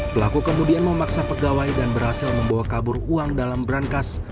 pelaku kemudian memaksa pegawai dan berhasil membawa kabur uang dalam berangkas